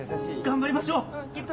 頑張りましょう！